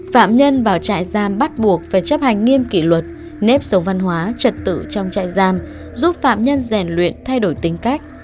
phạm nhân vào trại giam bắt buộc phải chấp hành nghiêm kỷ luật nếp sống văn hóa trật tự trong trại giam giúp phạm nhân rèn luyện thay đổi tính cách